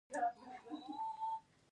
سپین بولدک بندر له کویټې سره څومره نږدې دی؟